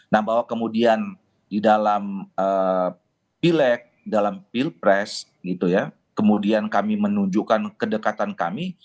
nah bahwa kemudian di dalam pileg dalam pilpres gitu ya kemudian kami menunjukkan kedekatan kami